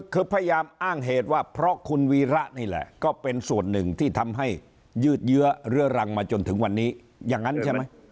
คือพยายามอ้างเหตุว่าเพราะคุณวีระนี่แหละก็เป็นส่วนหนึ่งที่ทำให้ยืดเยื้อเรื้อรังมาจนถึงวันนี้อย่างนั้นใช่ไหม